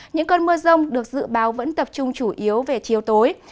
những cơn mưa rông được dự báo vẫn tập trung chủ yếu về chiều tối